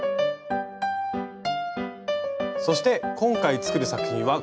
そして今回作る作品はこちら。